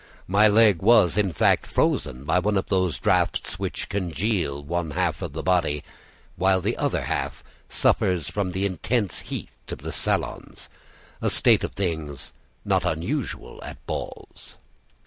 My leg was, in fact, frozen by one of those draughts which congeal one half of the body while the other suffers from the intense heat of the salons a state of things not unusual at balls.